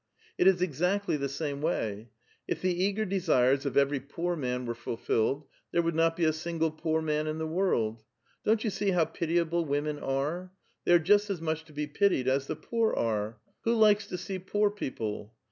" It is exactly the same way ; if the eager desires of every poor man were fulfilled, there would not be a single poor man in the world. Don't you see how pitiable women are? They are just as much to be pitied as the poor are. Who likes to see poor people